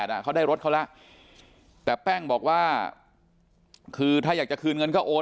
เบียไม่โอนไงก็บอกว่าให้เงินสด